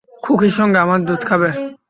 খুকির সঙ্গে আমার দুধ খাবে।